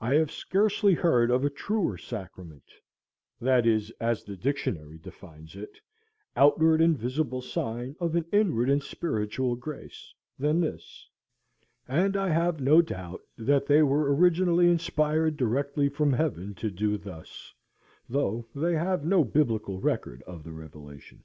I have scarcely heard of a truer sacrament, that is, as the dictionary defines it, "outward and visible sign of an inward and spiritual grace," than this, and I have no doubt that they were originally inspired directly from Heaven to do thus, though they have no biblical record of the revelation.